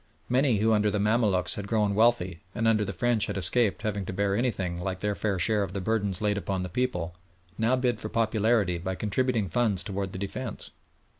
Many who under the Mamaluks had grown wealthy and under the French had escaped having to bear anything like their fair share of the burthens laid upon the people, now bid for popularity by contributing funds towards the defence.